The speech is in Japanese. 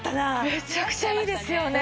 めちゃくちゃいいですよね。